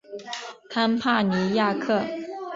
康帕尼亚克。